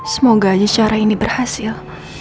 semoga aja syarah ini berhasil